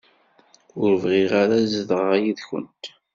Ur bɣiɣ ara ad zedɣeɣ yid-kent.